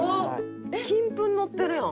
金粉のってるやん！